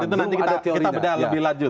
itu nanti kita bedah lebih lanjut